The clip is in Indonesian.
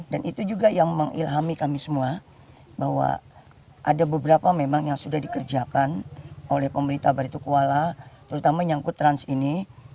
dan itu juga yang mengilhami kami semua bahwa ada beberapa memang yang sudah dikerjakan oleh pemerintah baritukwala terutama yang kutrans ini